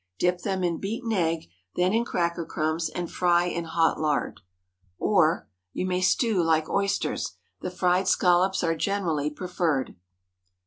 Dip them in beaten egg, then in cracker crumbs and fry in hot lard. Or, You may stew like oysters. The fried scallops are generally preferred.